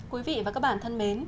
quý vị và các bạn thân mến